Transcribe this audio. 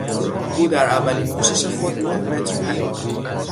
او در اولین کوشش خود نه متر پرید.